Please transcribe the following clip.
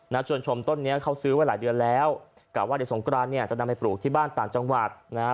ชวนชมต้นเนี้ยเขาซื้อไว้หลายเดือนแล้วกะว่าเดี๋ยวสงกรานเนี่ยจะนำไปปลูกที่บ้านต่างจังหวัดนะฮะ